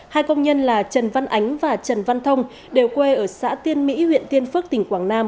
hai công nhân là trần văn ánh và trần văn thông đều quê ở xã tiên mỹ huyện tiên phước tỉnh quảng nam